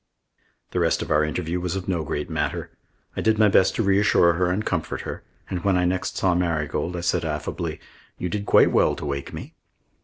The rest of our interview was of no great matter. I did my best to reassure and comfort her; and when I next saw Marigold, I said affably: "You did quite well to wake me."